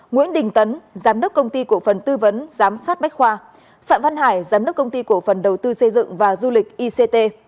nguyễn đình tấn giám đốc công ty cổ phần tư vấn giám sát bách khoa phạm văn hải giám đốc công ty cổ phần đầu tư xây dựng và du lịch ict